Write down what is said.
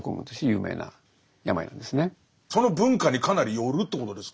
その文化にかなりよるってことですか？